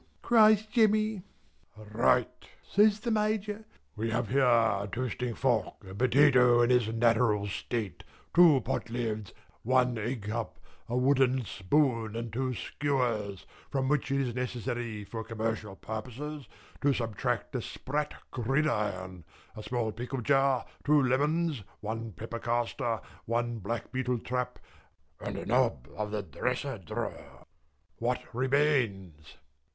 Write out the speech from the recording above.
cries Jemmy. "Right," says the Major. "We have here a toasting fork, a potato in its natural state, two potlids, one egg cup, a wooden spoon, and two skewers, from which it is necessary for commercial purposes to subtract a sprat gridiron, a small pickle jar, two lemons, one pepper castor, a blackbeetle trap, and a knob of the dresser drawer what remains?"